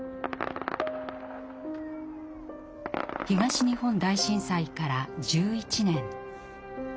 東日本大震災から１１年。